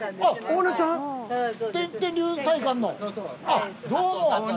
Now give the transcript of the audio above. あっどうも。